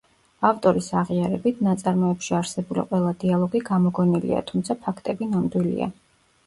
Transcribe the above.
ავტორის აღიარებით, ნაწარმოებში არსებული ყველა დიალოგი გამოგონილია თუმცა ფაქტები ნამდვილია.